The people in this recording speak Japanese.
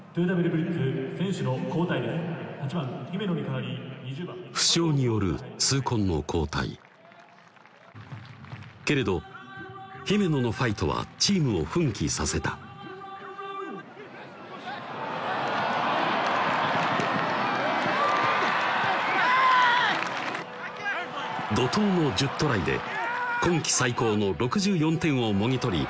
８番・姫野に代わり負傷による痛恨の交代けれど姫野のファイトはチームを奮起させた怒とうの１０トライで今季最高の６４点をもぎ取り